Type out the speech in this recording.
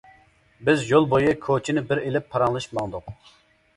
بىز يول بويى كوچىنى بىر ئېلىپ پاراڭلىشىپ ماڭدۇق.